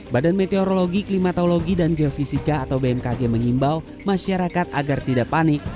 badan meteorologi klimatologi dan geofisika atau bmkg mengimbau masyarakat agar tidak panik